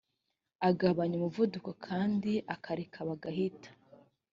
agabanya umuvuduko kandi akareka bagahita